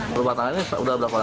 perubatanannya sudah berapa lama